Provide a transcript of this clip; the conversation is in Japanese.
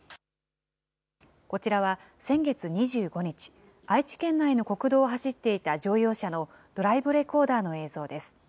こちらは先月２５日、愛知県内の国道を走っていた乗用車のドライブレコーダーの映像です。